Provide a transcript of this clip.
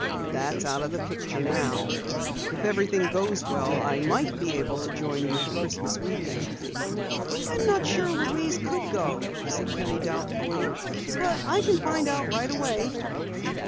"That's out of the picture now. If everything goes well I might be able to join you for Christmas weekend." "I'm not sure Louise could go," said Penny doubtfully. "But I can find out right away."